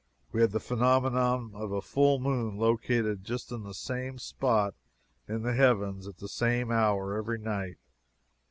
We had the phenomenon of a full moon located just in the same spot in the heavens at the same hour every night.